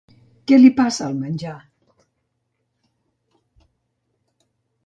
Què li passa al menjar?